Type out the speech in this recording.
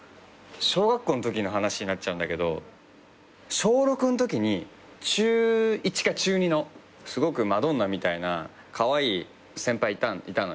小学校んときの話になっちゃうんだけど小６んときに中１か中２のすごくマドンナみたいなカワイイ先輩いたのよ。